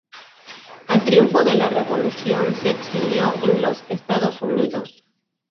Al triunfo de la Revolución se exilió en los Estados Unidos.